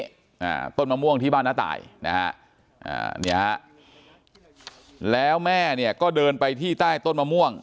อ่าต้นมะม่วงที่บ้านน้าตายนะฮะอ่าเนี่ยฮะแล้วแม่เนี่ยก็เดินไปที่ใต้ต้นมะม่วง